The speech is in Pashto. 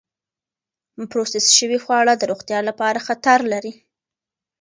پروسس شوې خواړه د روغتیا لپاره خطر لري.